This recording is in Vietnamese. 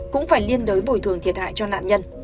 cũng phải liên đối bồi thường thiệt hại cho nạn nhân